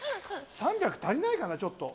３００足りないかな、ちょっと。